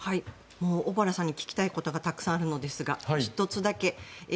小原さんに聞きたいことがたくさんあるのですが１つだけ。